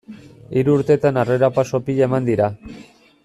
Hiru urtetan aurrerapauso pila eman dira.